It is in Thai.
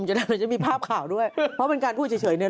จะได้มันจะมีภาพข่าวด้วยเพราะเป็นการพูดเฉยเฉยเนี้ย